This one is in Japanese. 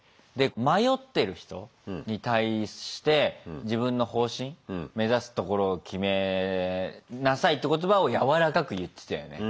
迷ってる人に対して自分の方針目指すところを決めなさいって言葉をやわらかく言ってたよね。